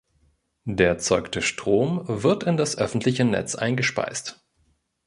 Der erzeugte Strom wird in das öffentliche Netz eingespeist.